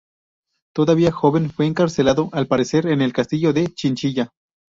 Todavía joven fue encarcelado, al parecer, en el castillo de Chinchilla.